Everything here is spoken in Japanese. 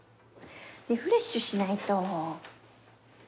リフレッシュしないと。